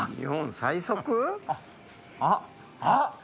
あっあっ！